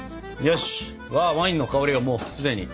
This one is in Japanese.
よしワインの香りがもうすでに。